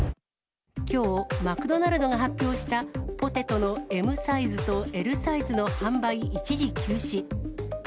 きょう、マクドナルドが発表したポテトのＭサイズとＬサイズの販売一時休止。